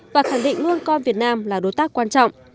và khẳng định luôn coi việt nam là đối tác quan trọng